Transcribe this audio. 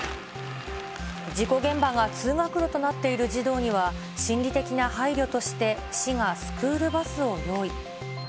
事故現場が通学路となっている児童には、心理的な配慮として、市がスクールバスを用意。